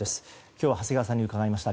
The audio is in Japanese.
今日は長谷川さんに伺いました。